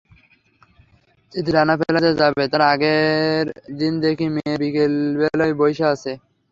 যেদিন রানা প্লাজায় যাবে, তার আগের দিন দেখি মেয়ে বিকেলবেলায় বইসা আছে।